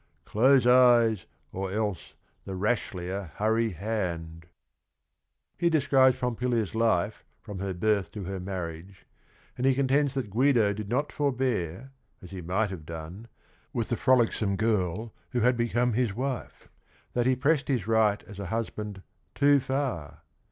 Close eyes, or else, the rashlier hurry hand 1 " He describes Pompilia's life from her b irth to her marringp r and he contends that Gu ido did not forbear, as he might have done, with the frolicsome girl who had become his wife; .that he pressedj iis right as a husband too far.